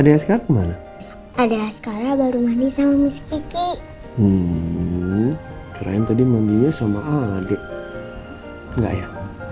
adiknya sekarang mana ada sekarang baru mandi sama miski hmm kalian tadi mandinya sama adik enggak ya